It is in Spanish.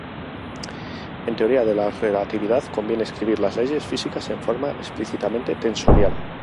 En teoría de la relatividad conviene escribir las leyes físicas en forma explícitamente tensorial.